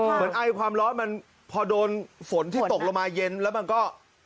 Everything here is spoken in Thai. ไอความร้อนมันพอโดนฝนที่ตกลงมาเย็นแล้วมันก็